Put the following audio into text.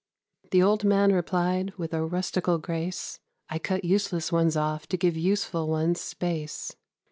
The old man replied, with a rustical grace, "I cut useless ones off to give useful ones space."